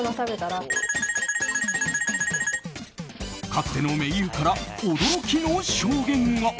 かつての盟友から驚きの証言が。